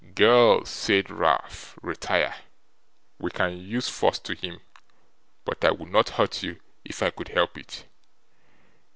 'Girl!' said Ralph, 'retire! We can use force to him, but I would not hurt you if I could help it.